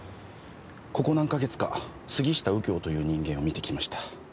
ここ何か月か杉下右京という人間を見てきました。